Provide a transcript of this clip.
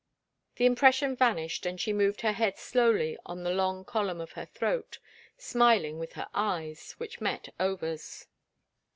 The impression vanished and she moved her head slowly on the long column of her throat, smiling with her eyes, which met Over's.